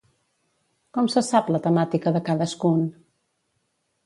Com se sap la temàtica de cadascun?